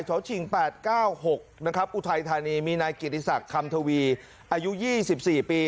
เฉาะฉิง๘๙๖นะครับอุทัยทานีมีนายกิริสักคำทวีอายุ๒๔ปี